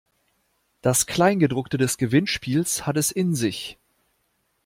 Das Kleingedruckte des Gewinnspiels hat es in sich.